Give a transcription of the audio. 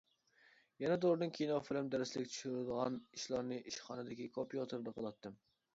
يەنە توردىن كىنو-فىلىم، دەرسلىك چۈشۈرىدىغان ئىشلارنى ئىشخانىدىكى كومپيۇتېردا قىلاتتىم.